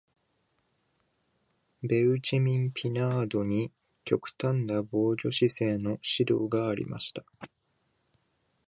ベウチェミン・ピナードに極端な防御姿勢の指導がありました。